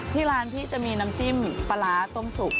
ที่ร้านพี่จะมีน้ำจิ้มปลาร้าต้มสุก